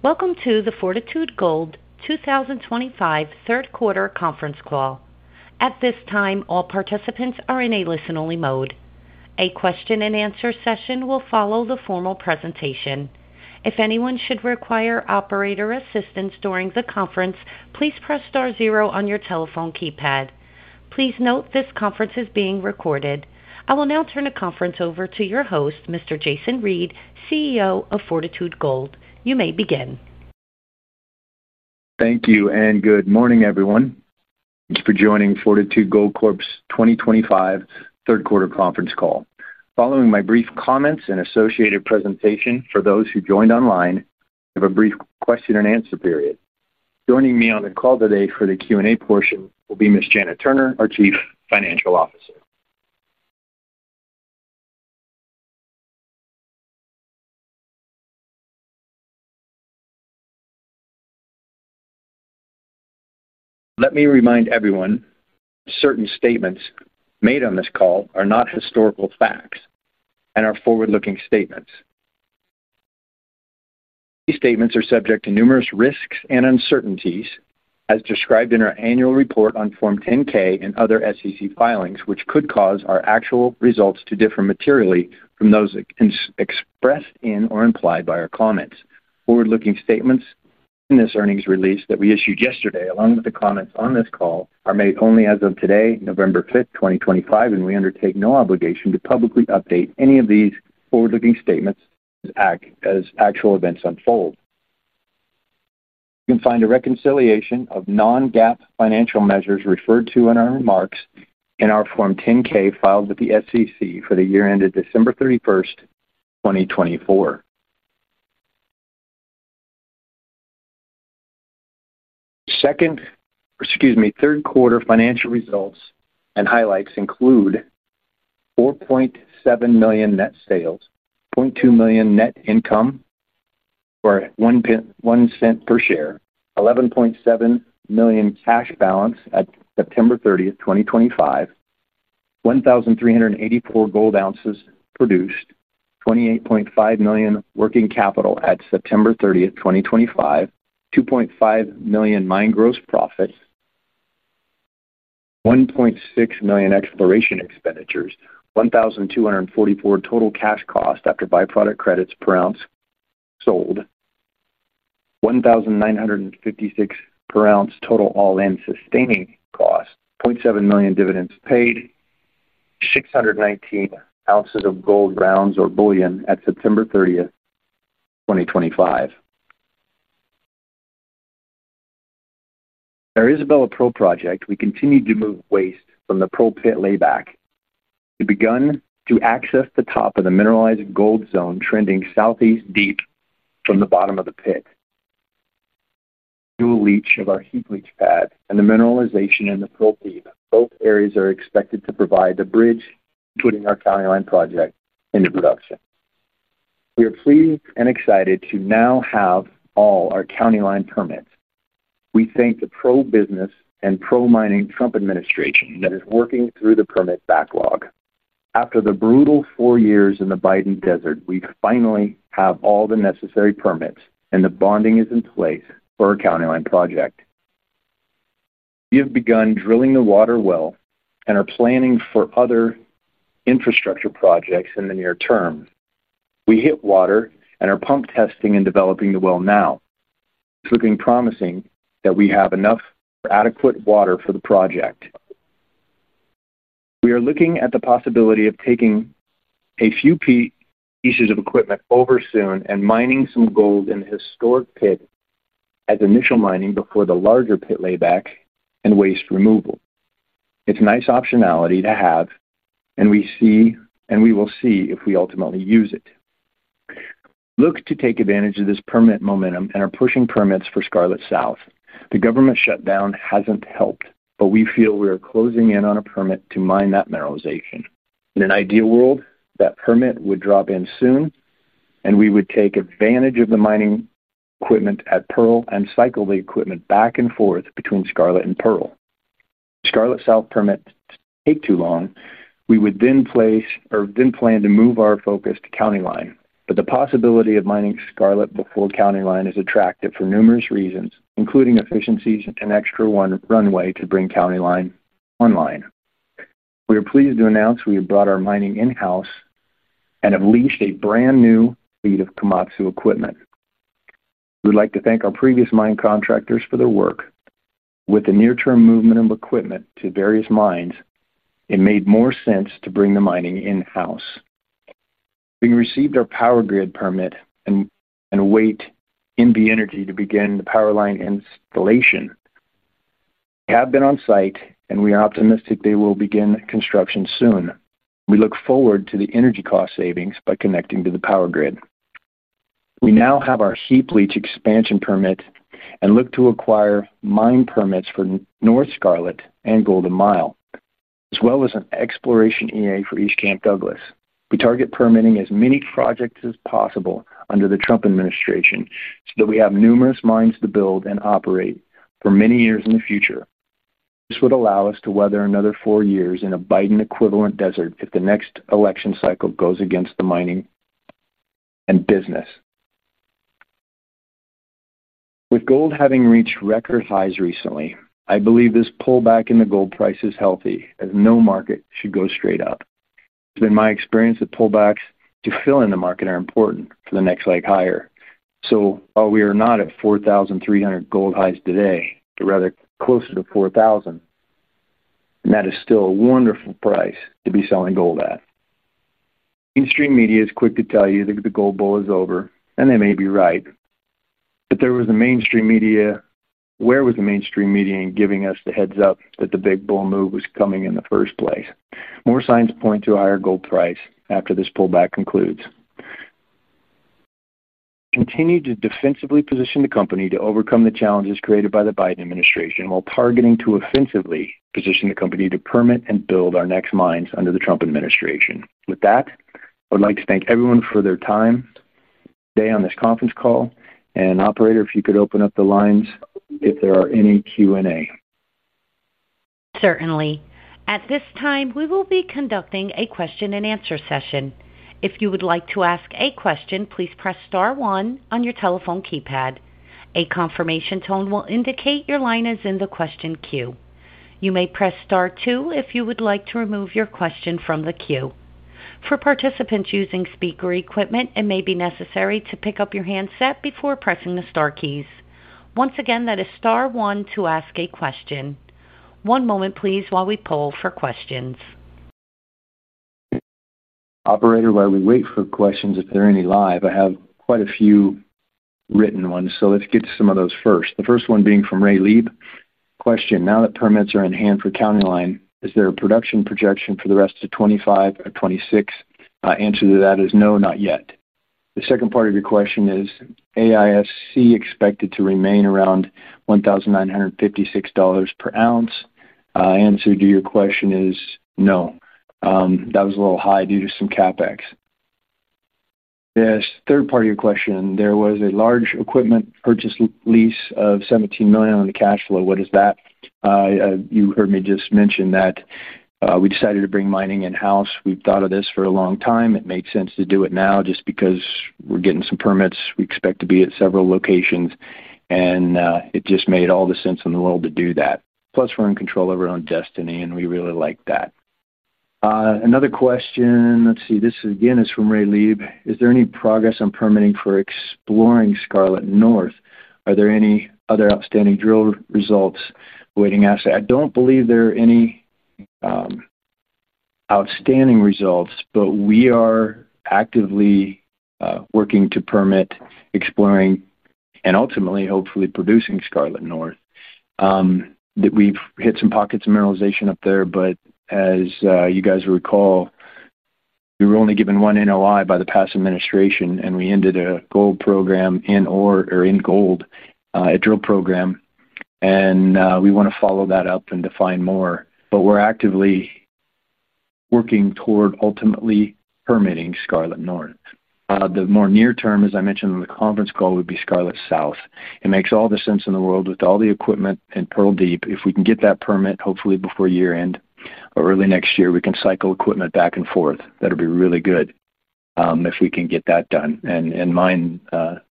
Welcome to the Fortitude Gold 2025 third-quarter conference call. At this time, all participants are in a listen-only mode. A question-and-answer session will follow the formal presentation. If anyone should require operator assistance during the conference, please press star zero on your telephone keypad. Please note this conference is being recorded. I will now turn the conference over to your host, Mr. Jason Reid, CEO of Fortitude Gold. You may begin. Thank you, and good morning, everyone. Thank you for joining Fortitude Gold Corp's 2025 third-quarter conference call. Following my brief comments and associated presentation, for those who joined online, I have a brief question-and-answer period. Joining me on the call today for the Q&A portion will be Ms. Janet Turner, our Chief Financial Officer. Let me remind everyone that certain statements made on this call are not historical facts and are forward-looking statements. These statements are subject to numerous risks and uncertainties, as described in our annual report on Form 10-K and other SEC filings, which could cause our actual results to differ materially from those expressed in or implied by our comments. Forward-looking statements in this earnings release that we issued yesterday, along with the comments on this call, are made only as of today, November 5th, 2025, and we undertake no obligation to publicly update any of these forward-looking statements as actual events unfold. You can find a reconciliation of non-GAAP financial measures referred to in our remarks in our Form 10-K filed with the SEC for the year ended December 31st, 2024. Second—excuse me—third-quarter financial results and highlights include $4.7 million net sales, $0.2 million net income for $0.01 per share, $11.7 million cash balance at September 30th, 2025, 1,384 gold ounces produced, $28.5 million working capital at September 30th, 2025, $2.5 million mine gross profits, $1.6 million exploration expenditures, $1,244 total cash costs after byproduct credits per ounce sold, $1,956 per ounce total all-in sustaining costs, $0.7 million dividends paid. 619 ounces of gold rounds or bullion at September 30, 2025. At our Isabella Pearl project, we continue to move waste from the Pearl Pit layback to begin to access the top of the mineralized gold zone trending southeast deep from the bottom of the pit. Dual leach of our heap leach pad and the mineralization in the Pearl Pit, both areas are expected to provide the bridge, including our County Line project, into production. We are pleased and excited to now have all our County Line permits. We thank the pro-business and pro-mining Trump administration that is working through the permit backlog. After the brutal four years in the Biden desert, we finally have all the necessary permits, and the bonding is in place for our County Line project. We have begun drilling the water well and are planning for other infrastructure projects in the near term. We hit water and are pump testing and developing the well now. It's looking promising that we have enough or adequate water for the project. We are looking at the possibility of taking a few pieces of equipment over soon and mining some gold in the historic pit as initial mining before the larger pit layback and waste removal. It's a nice optionality to have, and we see—we will see if we ultimately use it. We look to take advantage of this permit momentum and are pushing permits for Scarlet South. The government shutdown hasn't helped, but we feel we are closing in on a permit to mine that mineralization. In an ideal world, that permit would drop in soon, and we would take advantage of the mining equipment at Pearl and cycle the equipment back and forth between Scarlet and Pearl. If the Scarlet South permit takes too long, we would then place, or then plan to move our focus to County Line. The possibility of mining Scarlet before County Line is attractive for numerous reasons, including efficiencies and an extra runway to bring County Line online. We are pleased to announce we have brought our mining in-house and have leased a brand-new fleet of Komatsu equipment. We would like to thank our previous mine contractors for their work. With the near-term movement of equipment to various mines, it made more sense to bring the mining in-house. We received our power grid permit and await NV Energy to begin the power line installation. We have been on site, and we are optimistic they will begin construction soon. We look forward to the energy cost savings by connecting to the power grid. We now have our heap leach expansion permit and look to acquire mine permits for North Scarlet and Golden Mile, as well as an exploration EA for East Camp Douglas. We target permitting as many projects as possible under the Trump administration so that we have numerous mines to build and operate for many years in the future. This would allow us to weather another four years in a Biden-equivalent desert if the next election cycle goes against the mining and business. With gold having reached record highs recently, I believe this pullback in the gold price is healthy, as no market should go straight up. It's been my experience that pullbacks to fill in the market are important for the next leg higher. While we are not at $4,300 gold highs today, but rather closer to $4,000. That is still a wonderful price to be selling gold at. Mainstream media is quick to tell you that the gold bull is over, and they may be right. Where was the mainstream media in giving us the heads-up that the big bull move was coming in the first place? More signs point to a higher gold price after this pullback concludes. We continue to defensively position the company to overcome the challenges created by the Biden administration while targeting to offensively position the company to permit and build our next mines under the Trump administration. I would like to thank everyone for their time today on this conference call. Operator, if you could open up the lines if there are any Q&A. Certainly. At this time, we will be conducting a question-and-answer session. If you would like to ask a question, please press star one on your telephone keypad. A confirmation tone will indicate your line is in the question queue. You may press star two if you would like to remove your question from the queue. For participants using speaker equipment, it may be necessary to pick up your handset before pressing the star keys. Once again, that is star one to ask a question. One moment, please, while we poll for questions. Operator, while we wait for questions, if there are any live, I have quite a few written ones, so let's get to some of those first. The first one being from Ray Leeb. Question: Now that permits are in hand for County Line, is there a production projection for the rest of 2025 or 2026? Answer to that is no, not yet. The second part of your question is, "AISC expected to remain around $1,956 per ounce?" Answer to your question is no. That was a little high due to some CapEx. The third part of your question: There was a large equipment purchase lease of $17 million on the cash flow. What is that? You heard me just mention that. We decided to bring mining in-house. We've thought of this for a long time. It made sense to do it now just because we're getting some permits. We expect to be at several locations, and it just made all the sense in the world to do that. Plus, we're in control of our own destiny, and we really like that. Another question. Let's see. This again is from Ray Leeb. Is there any progress on permitting for exploring Scarlet North? Are there any other outstanding drill results awaiting assay? I don't believe there are any outstanding results, but we are actively working to permit exploring and ultimately, hopefully, producing Scarlet North. We have hit some pockets of mineralization up there, but as you guys recall, we were only given one NOI by the past administration, and we ended a drill program. We want to follow that up and define more, but we're actively working toward ultimately permitting Scarlet North. The more near term, as I mentioned on the conference call, would be Scarlet South. It makes all the sense in the world with all the equipment and Pearl Deep. If we can get that permit, hopefully before year end or early next year, we can cycle equipment back and forth. That'll be really good. If we can get that done and mine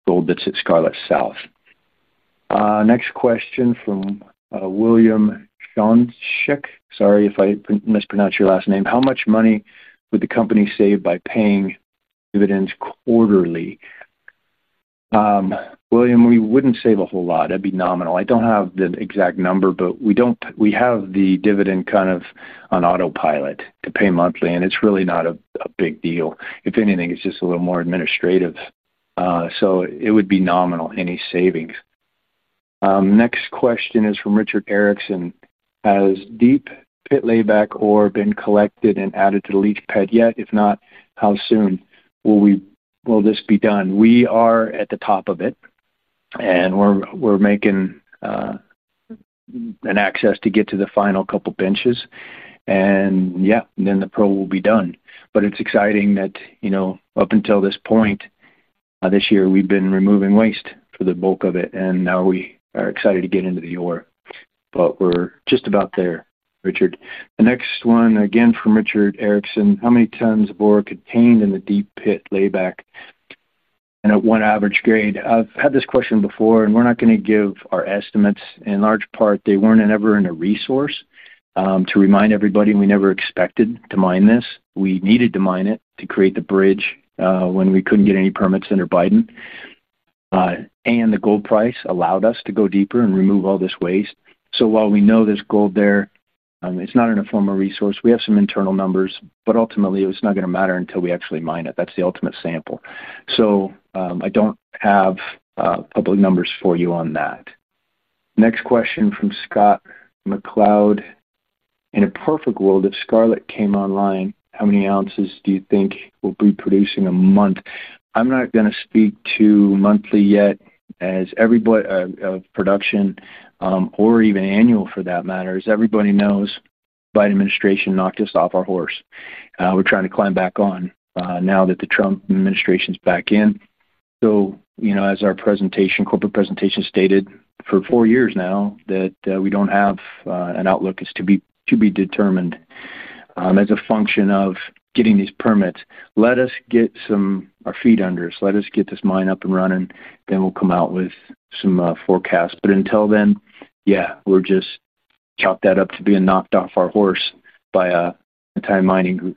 gold that's at Scarlet South. Next question from William Shawnshek. Sorry if I mispronounced your last name. How much money would the company save by paying dividends quarterly? William, we wouldn't save a whole lot. That'd be nominal. I don't have the exact number, but we have the dividend kind of on autopilot to pay monthly, and it's really not a big deal. If anything, it's just a little more administrative. So it would be nominal, any savings. Next question is from Richard Erickson. Has deep pit layback ore been collected and added to the leach pad yet? If not, how soon will this be done? We are at the top of it. We are making an access to get to the final couple of benches. Yeah, then the probe will be done. It is exciting that up until this point this year, we have been removing waste for the bulk of it, and now we are excited to get into the ore. We are just about there, Richard. The next one, again from Richard Erickson. How many tons of ore contained in the deep pit layback, and at what average grade? I have had this question before, and we are not going to give our estimates. In large part, they were not ever in a resource. To remind everybody, we never expected to mine this. We needed to mine it to create the bridge when we could not get any permits under Biden. And the gold price allowed us to go deeper and remove all this waste. So while we know there is gold there, it is not in a formal resource. We have some internal numbers, but ultimately, it was not going to matter until we actually mine it. That is the ultimate sample. I do not have public numbers for you on that. Next question from Scott McCloud. In a perfect world, if Scarlet came online, how many ounces do you think we will be producing a month? I am not going to speak to monthly yet as everybody of production. Or even annual for that matter. As everybody knows, the Biden administration knocked us off our horse. We are trying to climb back on now that the Trump administration is back in. As our corporate presentation stated for four years now, that we don't have an outlook is to be determined. As a function of getting these permits. Let us get our feet under us. Let us get this mine up and running, then we'll come out with some forecasts. Until then, yeah, we just chop that up to being knocked off our horse by a time mining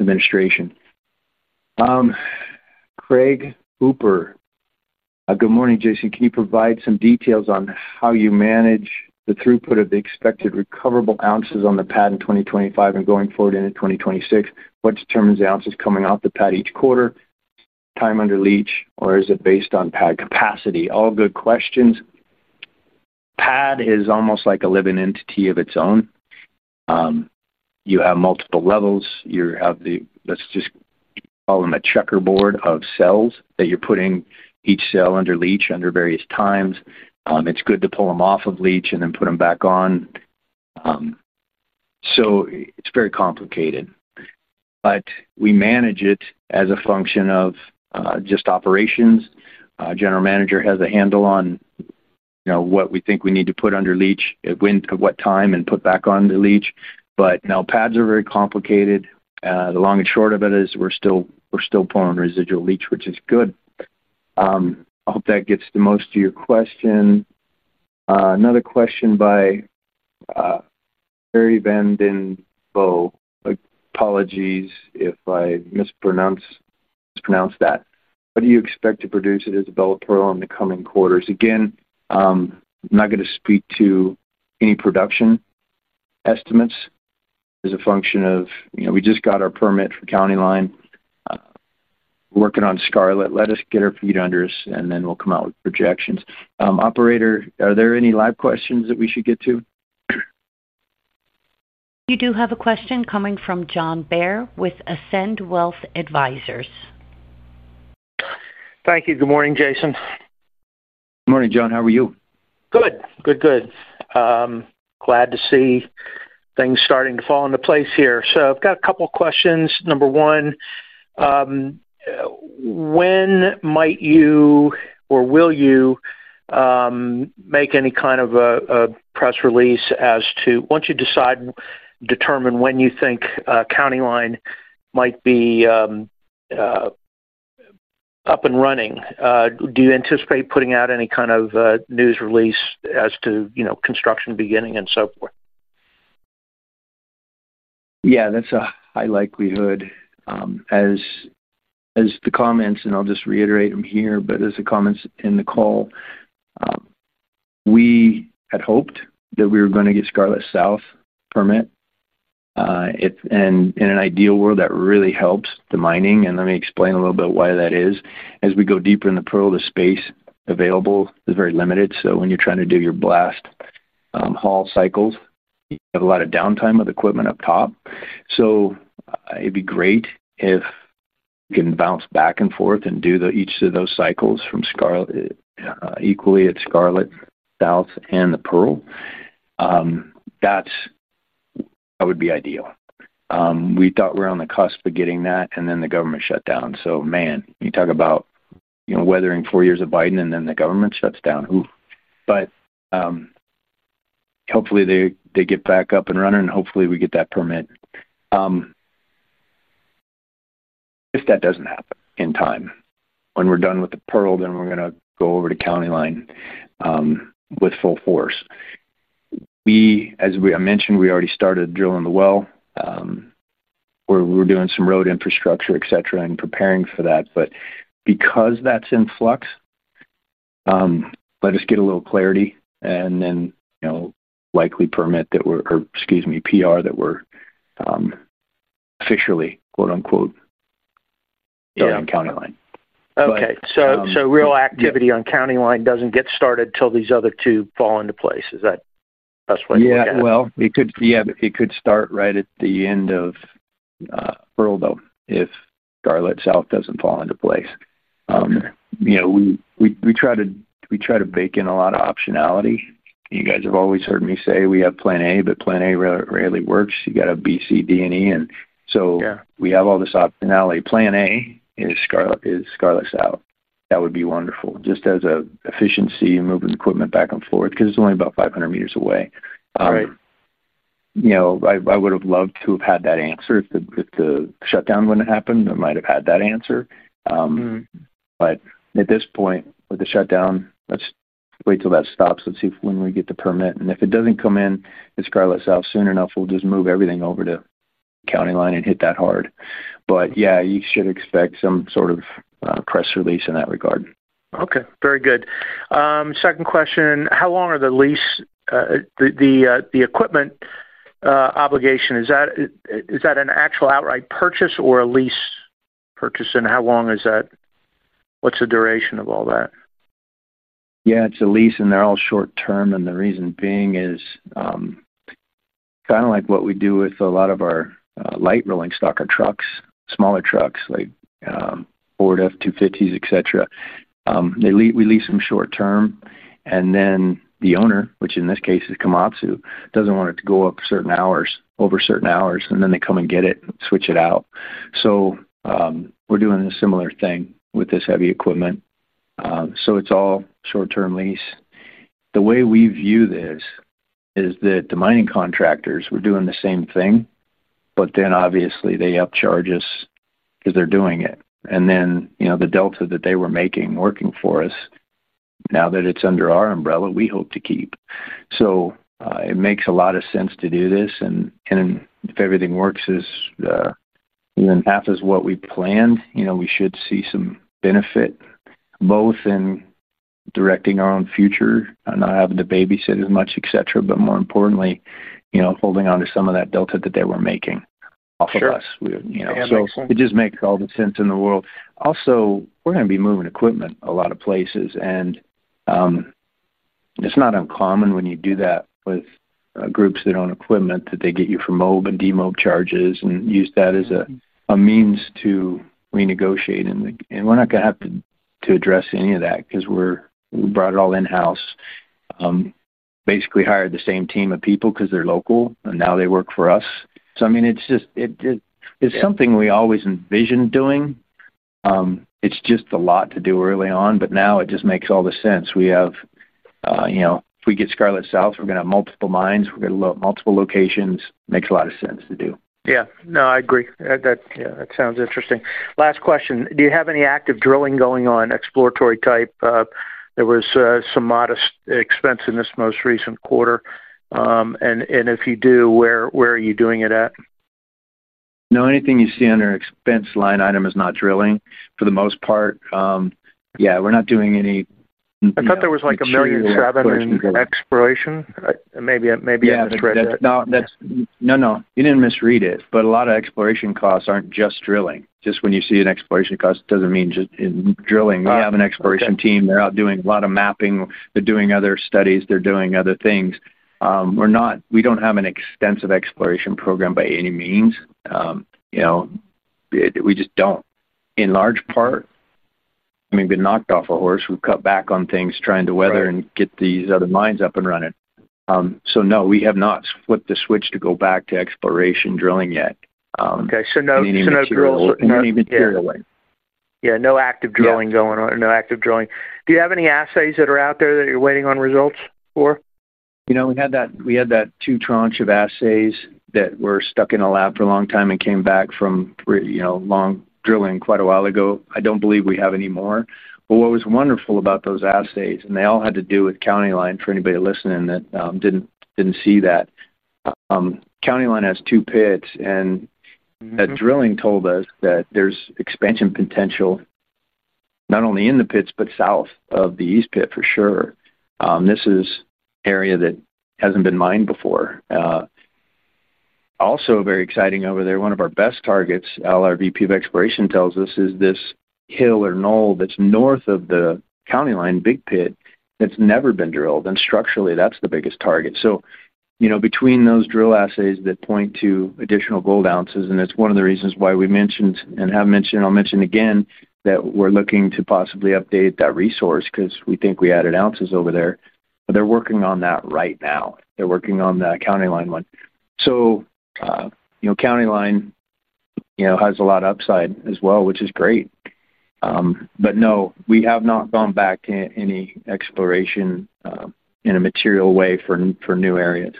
administration. Craig Hooper. Good morning, Jason. Can you provide some details on how you manage the throughput of the expected recoverable ounces on the pad in 2025 and going forward into 2026? What determines the ounces coming off the pad each quarter? Time under leach, or is it based on pad capacity? All good questions. Pad is almost like a living entity of its own. You have multiple levels. You have the—let's just call them a checkerboard of cells that you're putting each cell under leach under various times. It's good to pull them off of leach and then put them back on. It is very complicated. We manage it as a function of just operations. General Manager has a handle on what we think we need to put under leach, at what time, and put back on the leach. Now pads are very complicated. The long and short of it is we're still pulling residual leach, which is good. I hope that gets the most of your question. Another question by Harry Van Den Boe. Apologies if I mispronounced that. What do you expect to produce at Isabella Pearl in the coming quarters? Again, I'm not going to speak to any production estimates as a function of we just got our permit for County Line. We're working on Scarlet. Let us get our feet under us, and then we'll come out with projections. Operator, are there any live questions that we should get to? You do have a question coming from John Baer with Ascend Wealth Advisors. Thank you. Good morning, Jason. Good morning, John. How are you? Good. Good, good. Glad to see things starting to fall into place here. I've got a couple of questions. Number one. When might you or will you make any kind of a press release as to once you decide and determine when you think County Line might be up and running? Do you anticipate putting out any kind of news release as to construction beginning and so forth? Yeah, that's a high likelihood. As the comments—and I'll just reiterate them here—but as the comments in the call. We had hoped that we were going to get Scarlet South permit. In an ideal world, that really helps the mining. Let me explain a little bit why that is. As we go deeper in the Pearl, the space available is very limited. When you're trying to do your blast hall cycles, you have a lot of downtime of equipment up top. It'd be great if you can bounce back and forth and do each of those cycles from equally at Scarlet South and the Pearl. That's what would be ideal. We thought we were on the cusp of getting that, and then the government shut down. Man, you talk about weathering four years of Biden, and then the government shuts down. Hopefully, they get back up and running, and hopefully, we get that permit. If that does not happen in time, when we are done with the Pearl, then we are going to go over to County Line with full force. As I mentioned, we already started drilling the well. We are doing some road infrastructure, etc., and preparing for that. Because that is in flux, let us get a little clarity and then likely PR that we are, "officially," starting County Line. Okay. So real activity on County Line doesn't get started until these other two fall into place. Is that the best way to put that? Yeah. It could start right at the end of Pearl, though, if Scarlet South does not fall into place. We try to bake in a lot of optionality. You guys have always heard me say we have plan A, but plan A rarely works. You got to have B, C, D, and E. We have all this optionality. Plan A is Scarlet South. That would be wonderful, just as an efficiency, moving equipment back and forth because it is only about 500 meters away. I would have loved to have had that answer if the shutdown would not have happened. I might have had that answer. At this point, with the shutdown, let us wait till that stops. Let us see when we get the permit. If it does not come in at Scarlet South soon enough, we will just move everything over to County Line and hit that hard. Yeah, you should expect some sort of press release in that regard. Okay. Very good. Second question. How long are the lease, the equipment obligation? Is that an actual outright purchase or a lease purchase? And how long is that? What's the duration of all that? Yeah, it's a lease, and they're all short-term. The reason being is, kind of like what we do with a lot of our light rolling stock or trucks, smaller trucks like Ford F-250s, etc. We lease them short-term, and then the owner, which in this case is Komatsu, doesn't want it to go up certain hours, over certain hours, and then they come and get it and switch it out. We're doing a similar thing with this heavy equipment. It's all short-term lease. The way we view this is that the mining contractors were doing the same thing, but then obviously, they upcharge us because they're doing it. The delta that they were making working for us, now that it's under our umbrella, we hope to keep. It makes a lot of sense to do this. If everything works. Even half as what we planned, we should see some benefit, both in directing our own future, not having to babysit as much, etc., but more importantly, holding on to some of that delta that they were making off of us. It just makes all the sense in the world. Also, we're going to be moving equipment a lot of places. It's not uncommon when you do that with groups that own equipment that they get you for mob and de-mob charges and use that as a means to renegotiate. We're not going to have to address any of that because we brought it all in-house. Basically hired the same team of people because they're local, and now they work for us. I mean, it's something we always envisioned doing. It's just a lot to do early on, but now it just makes all the sense. We have. If we get Scarlet South, we're going to have multiple mines. We're going to have multiple locations. Makes a lot of sense to do. Yeah. No, I agree. Yeah, that sounds interesting. Last question. Do you have any active drilling going on, exploratory type? There was some modest expense in this most recent quarter. If you do, where are you doing it at? No, anything you see under expense line item is not drilling for the most part. Yeah, we're not doing any. I thought there was like $1.7 million exploration. Maybe I misread that. No, no. You didn't misread it. A lot of exploration costs aren't just drilling. Just when you see an exploration cost, it doesn't mean just drilling. We have an exploration team. They're out doing a lot of mapping. They're doing other studies. They're doing other things. We don't have an extensive exploration program by any means. We just don't. In large part, I mean, we've been knocked off our horse. We've cut back on things trying to weather and get these other mines up and running. No, we have not flipped the switch to go back to exploration drilling yet. Okay. So no drills? We didn't even carry away. Yeah. No active drilling going on. No active drilling. Do you have any assays that are out there that you're waiting on results for? We had that two tranche of assays that were stuck in a lab for a long time and came back from long drilling quite a while ago. I do not believe we have any more. What was wonderful about those assays, and they all had to do with County Line for anybody listening that did not see that. County Line has two pits, and that drilling told us that there is expansion potential not only in the pits, but south of the east pit for sure. This is an area that has not been mined before. Also very exciting over there, one of our best targets, LRVP of exploration tells us, is this hill or knoll that is north of the County Line big pit that has never been drilled. Structurally, that is the biggest target. Between those drill assays that point to additional gold ounces, and it is one of the reasons why we mentioned and have mentioned, and I will mention again that we are looking to possibly update that resource because we think we added ounces over there. They are working on that right now. They are working on the County Line one. County Line has a lot of upside as well, which is great. No, we have not gone back to any exploration in a material way for new areas.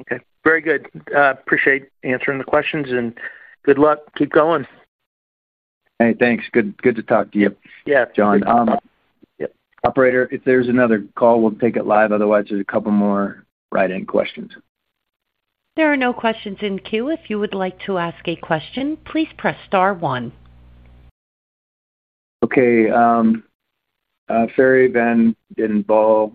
Okay. Very good. Appreciate answering the questions. Good luck. Keep going. Hey, thanks. Good to talk to you, John. Yeah. Operator, if there's another call, we'll take it live. Otherwise, there's a couple more write-in questions. There are no questions in queue. If you would like to ask a question, please press star one. Okay. Harry Van Den Boe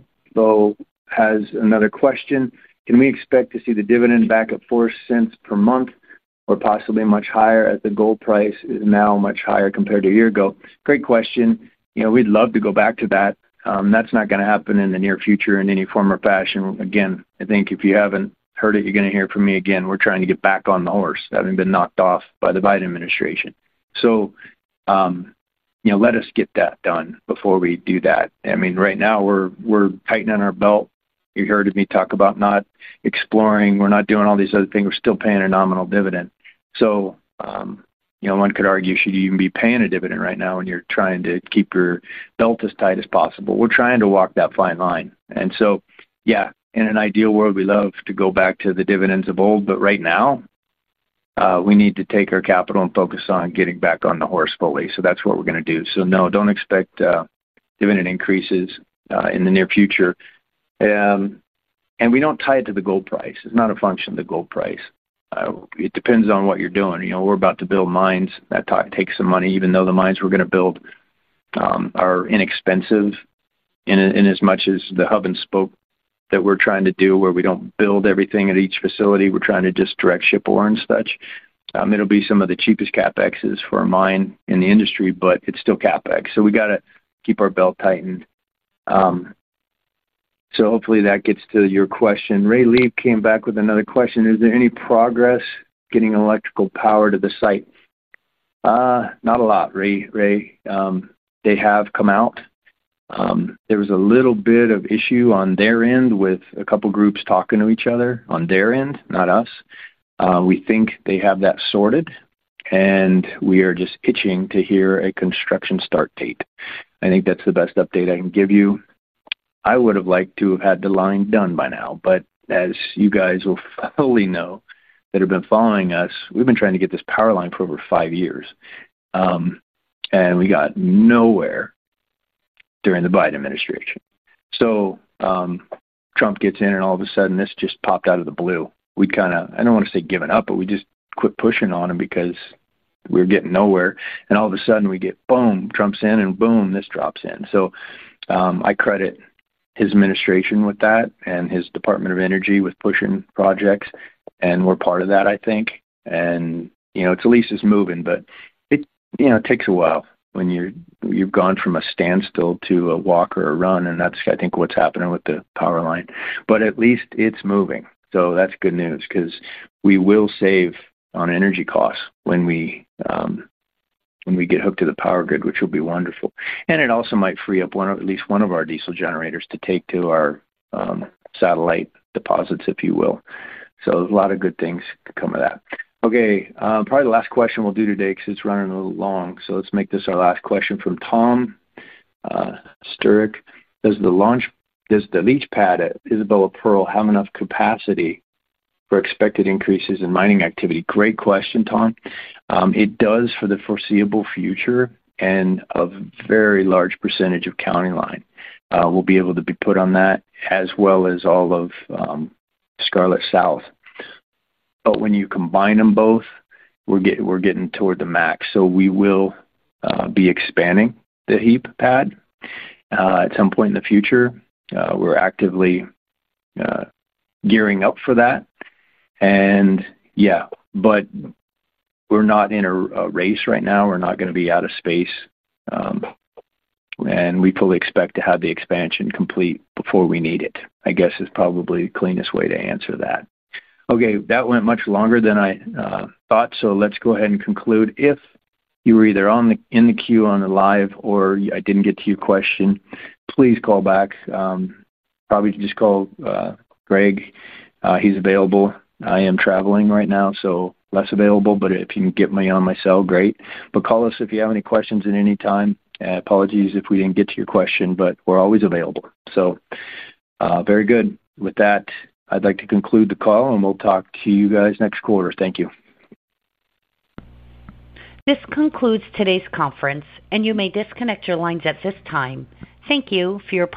has another question. Can we expect to see the dividend back at 4 cents per month or possibly much higher as the gold price is now much higher compared to a year ago? Great question. We'd love to go back to that. That's not going to happen in the near future in any form or fashion. Again, I think if you haven't heard it, you're going to hear from me again. We're trying to get back on the horse, having been knocked off by the Biden administration. Let us get that done before we do that. I mean, right now, we're tightening our belt. You heard me talk about not exploring. We're not doing all these other things. We're still paying a nominal dividend. One could argue, should you even be paying a dividend right now when you're trying to keep your belt as tight as possible? We're trying to walk that fine line. Yeah, in an ideal world, we love to go back to the dividends of old. Right now, we need to take our capital and focus on getting back on the horse fully. That's what we're going to do. No, don't expect dividend increases in the near future. We don't tie it to the gold price. It's not a function of the gold price. It depends on what you're doing. We're about to build mines. That takes some money, even though the mines we're going to build are inexpensive, in as much as the hub and spoke that we're trying to do where we don't build everything at each facility. We're trying to just direct ship ore and such. It'll be some of the cheapest CapEx for a mine in the industry, but it's still CapEx. So we got to keep our belt tightened. Hopefully, that gets to your question. Ray Leeb came back with another question. Is there any progress getting electrical power to the site? Not a lot, Ray. They have come out. There was a little bit of issue on their end with a couple of groups talking to each other on their end, not us. We think they have that sorted, and we are just itching to hear a construction start date. I think that's the best update I can give you. I would have liked to have had the line done by now. As you guys will fully know that have been following us, we've been trying to get this power line for over five years. We got nowhere during the Biden administration. Trump gets in, and all of a sudden, this just popped out of the blue. We kind of, I don't want to say given up, but we just quit pushing on him because we were getting nowhere. All of a sudden, we get, boom, Trump's in, and boom, this drops in. I credit his administration with that and his Department of Energy with pushing projects. We're part of that, I think. At least it's moving. It takes a while when you've gone from a standstill to a walk or a run. That's, I think, what's happening with the power line. At least it's moving. That's good news because we will save on energy costs when we get hooked to the power grid, which will be wonderful. It also might free up at least one of our diesel generators to take to our satellite deposits, if you will. A lot of good things could come of that. Okay, probably the last question we'll do today because it's running a little long. Let's make this our last question from Tom Sturrik. Does the leach pad at Isabella Pearl have enough capacity for expected increases in mining activity? Great question, Tom. It does for the foreseeable future, and a very large percentage of County Line will be able to be put on that, as well as all of Scarlet South. When you combine them both, we're getting toward the max, so we will be expanding the heap pad. At some point in the future. We're actively gearing up for that. Yeah, but we're not in a race right now. We're not going to be out of space. We fully expect to have the expansion complete before we need it, I guess, is probably the cleanest way to answer that. Okay. That went much longer than I thought. Let's go ahead and conclude. If you were either in the queue on the live or I didn't get to your question, please call back. Probably just call Craig. He's available. I am traveling right now, so less available. If you can get me on my cell, great. Call us if you have any questions at any time. Apologies if we didn't get to your question, but we're always available. Very good. With that, I'd like to conclude the call, and we'll talk to you guys next quarter. Thank you. This concludes today's conference, and you may disconnect your lines at this time. Thank you for your time.